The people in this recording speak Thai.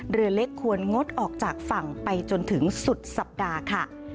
เรือเล็กควรงดออกจากฝั่งไปจนถึงสุดสัปดาห์ค่ะ